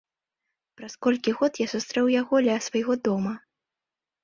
Праз колькі год я сустрэў яго ля свайго дома.